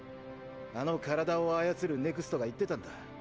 あの体を操るＮＥＸＴが言ってたんだ。